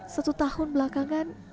satu tahun belakangan